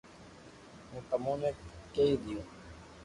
ھون تموني ڪئي ديو